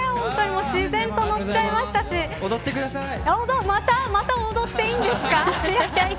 自然と、のっちゃいましたしまた踊っていいんですか。